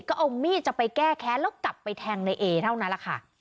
ก็เอามีดจะไปแก้แค้นแล้วกลับไปแทงในเอเท่านั้นแหละค่ะ